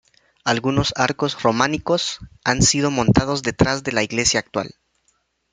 Algunos arcos románicos, han sido montados detrás de la iglesia actual.